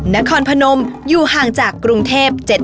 นครพนมอยู่ห่างจากกรุงเทพ